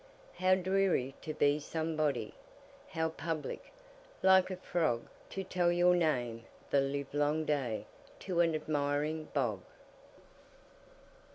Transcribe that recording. How dreary to be somebody! How public, like a frogTo tell your name the livelong dayTo an admiring bog!